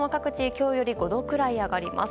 今日より５度くらい上がります。